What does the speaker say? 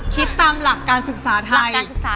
คิดตามหลักการศึกษาไทย